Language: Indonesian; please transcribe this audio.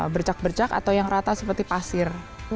bercak bercak atau yang rata seperti pasir